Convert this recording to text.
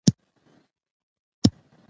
د حق په لاره کې دې چلیږي.